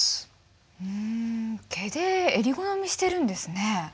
ふん毛でえり好みしてるんですね。